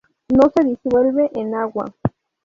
No se disuelve en agua.